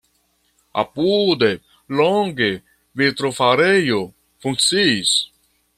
Apude longe vitrofarejo funkciis.